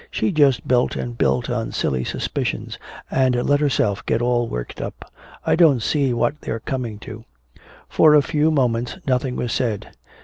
"She just built and built on silly suspicions and let herself get all worked up! I don't see what they're coming to!" For a few moments nothing was said.